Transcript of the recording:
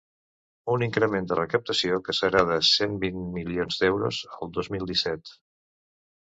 Un increment de recaptació que serà de cent vint milions d’euros el dos mil disset.